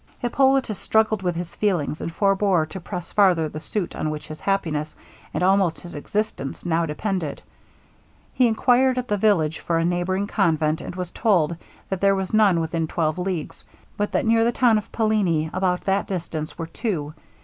Hippolitus struggled with his feelings and forbore to press farther the suit on which his happiness, and almost his existence, now depended. He inquired at the village for a neighbouring convent, and was told, that there was none within twelve leagues, but that near the town of Palini, at about that distance, were two.